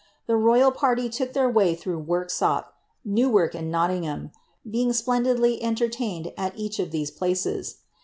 The royal party took their way through Worksop, Newark, and Nottingham, being splendidly entertained at each of these places.